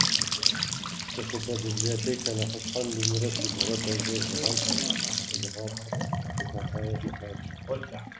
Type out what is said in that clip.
Цӏыхубэ библиотекэ нэхъыщхьэм минрэ щибгъурэ тӏощӏрэ зы гъэм зы къат хухахауэ щытащ.